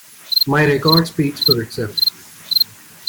My record speaks for itself.